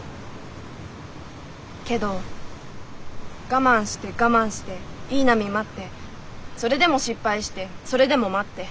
けど我慢して我慢していい波待ってそれでも失敗してそれでも待って。